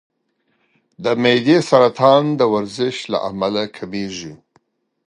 د معدې سرطان د ورزش له امله کمېږي.